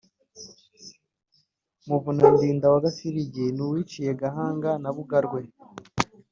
Muvunandinda wa Gafiligi ni Uwiciye Gahanda na Bugarwe